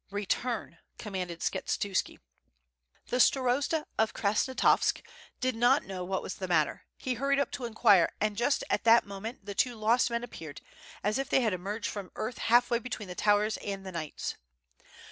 "Return," commanded Skshetuski. The Starosta of Krasnostavsk did not know what was the matter. He hurried up to inquire, and just at that moment the two lost men appeared, as if they had emerged from the earth half way between the towers and the knights.